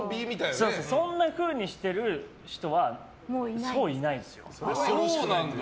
そう、そんなふうにしてる人はいないですよ。